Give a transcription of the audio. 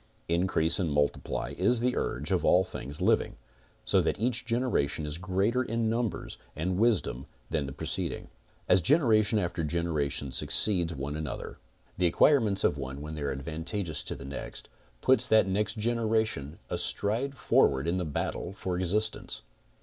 Increase and multiply is the urge of all things living, so that each generation is greater in numbers and wisdom than the preceding. As generation after generation succeeds one another, the 18 CONSTRUCTIVE BEEKEEPING acquirements of one when they are advantageous to the next, puts that next generation a stride forward in the battle for ex4 istance